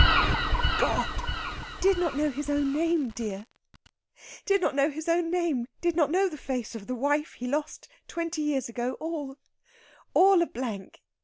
"My God!" "Did not know his own name, dear did not know his own name did not know the face of the wife he lost twenty years ago all, all a blank!...